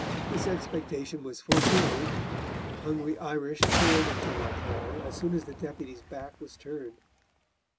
This expectation was fulfilled; the hungry Irish poured into Rakele as soon as the Deputy's back was turned.